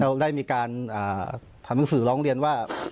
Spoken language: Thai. เราได้มีการทำหนังสือร้องเรียนว่า